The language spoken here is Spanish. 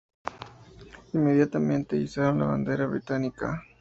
Inmediatamente izaron la bandera británica.